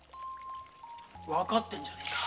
わかってんじゃねぇか。